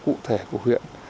giải pháp cụ thể của huyện